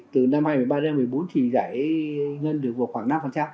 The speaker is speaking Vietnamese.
từ năm hai nghìn một mươi ba hai nghìn một mươi bốn thì giải ngân được khoảng năm